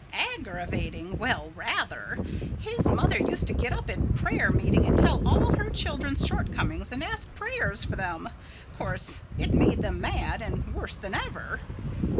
"Aggravating? Well, rather! His mother used to get up in prayer meeting and tell all her children's shortcomings and ask prayers for them. 'Course it made them mad, and worse than ever."